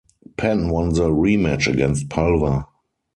Penn won the rematch against Pulver.